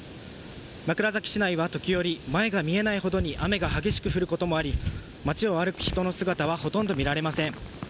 枕崎市内は時折前が見えないほどに雨が激しく降ることもあり街を歩く人の姿はほとんど見られません。